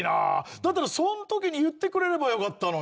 だったらそんときに言ってくれればよかったのに。